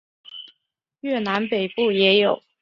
越南北部也有。